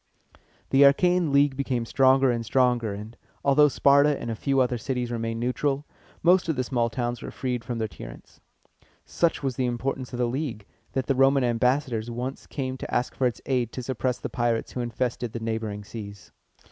The Achæan League became stronger and stronger; and, although Sparta and a few other cities remained neutral, most of the small towns were freed from their tyrants. Such was the importance of the league, that the Roman ambassadors once came to ask for its aid to suppress the pirates who infested the neighboring seas.